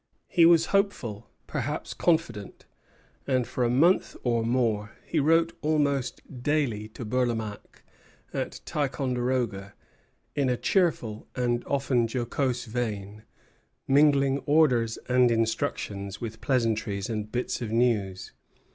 He was hopeful, perhaps confident; and for a month or more he wrote almost daily to Bourlamaque at Ticonderoga, in a cheerful, and often a jocose vein, mingling orders and instructions with pleasantries and bits of news.